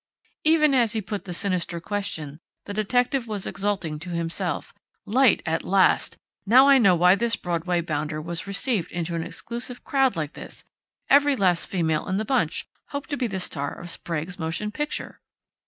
_" Even as he put the sinister question, the detective was exulting to himself: "Light at last! Now I know why this Broadway bounder was received into an exclusive crowd like this! Every last female in the bunch hoped to be the star of Sprague's motion picture!"